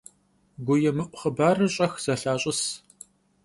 Guêmı'u xhıbarır ş'ex zelhaş'ıs.